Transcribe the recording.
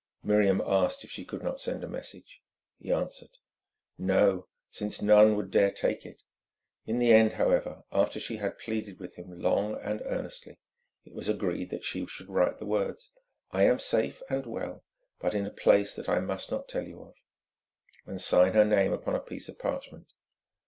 Miriam asked if she could not send a message. He answered: "No, since none would dare to take it." In the end, however, after she had pleaded with him long and earnestly, it was agreed that she should write the words, "I am safe and well, but in a place that I must not tell you of," and sign her name upon a piece of parchment.